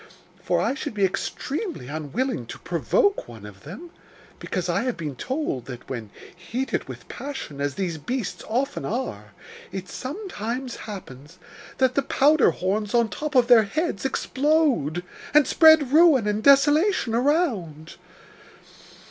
For I should be extremely unwilling to provoke one of them, because I have been told that, when heated with passion, as these beasts often are, it sometimes happens that the powder horns on top of their heads explode, and spread ruin and desolation around.